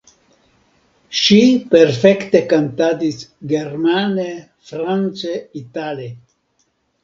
Ŝi perfekte kantadis germane, france, itale.